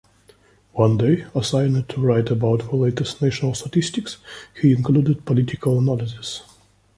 One day, assigned to write about the latest national statistics, he included political analysis.